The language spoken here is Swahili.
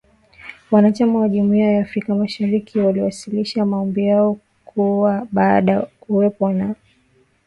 Wanachama wa Jumuiya ya Afrika Mashariki, waliwasilisha maombi yao kuwa baadae kuwepo na Benki Kuu